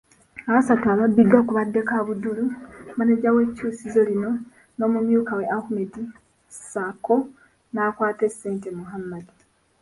Abasatu ababbiddwa kubaddeko Abdul, maneja w'ekkyusizo lino n'omumyukawe Ahmed ssaako n'akwata essente Muhammad.